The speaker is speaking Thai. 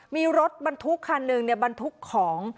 มีรถบันทุกขันนึงบันทุกของ